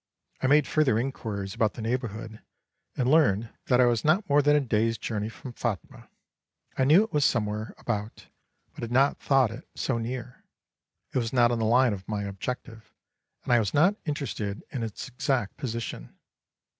I made further inquiries about the neighbourhood, and learned that I was not more than a day's journey from Phatmah. I knew it was somewhere about, but had not thought it so near; it was not on the line of my objective, and I was not interested in its exact position.